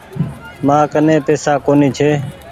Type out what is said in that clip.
مآ ڪني پئيسا ڪونيٚ ڇي۔